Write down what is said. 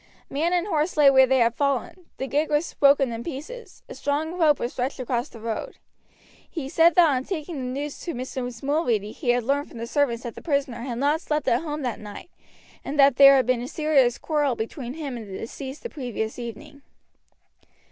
Man and horse lay where they had fallen, the gig was broken in pieces, a strong rope was stretched across the road. He said that on taking the news to Mrs. Mulready he had learned from the servants that the prisoner had not slept at home that night, and that there had been a serious quarrel between him and the deceased the previous evening.